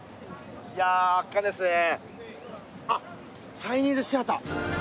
チャイニーズ・シアター。へ。